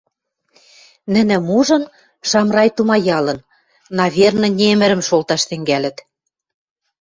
Нӹнӹм ужын, Шамрай тумаялын: «Наверно, немӹрӹм шолташ тӹнгӓлӹт...»